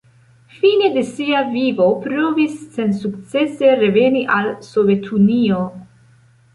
Fine de sia vivo provis sensukcese reveni al Sovetunio.